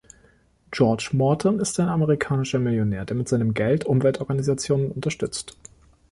George Morton ist ein amerikanischer Millionär, der mit seinem Geld Umweltorganisationen unterstützt.